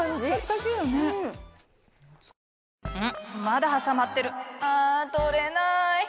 まだはさまってるあ取れない！